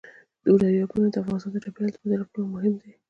دریابونه د افغانستان د چاپیریال د مدیریت لپاره مهم دي.